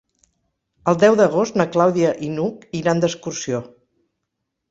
El deu d'agost na Clàudia i n'Hug iran d'excursió.